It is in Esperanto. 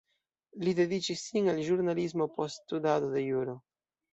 Li dediĉis sin al ĵurnalismo post studado de juro.